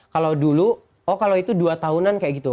kalau dulu oh kalau itu dua tahunan kayak gitu